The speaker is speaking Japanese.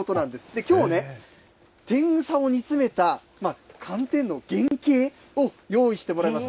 きょうね、天草を煮詰めた寒天の原形を用意してもらいました。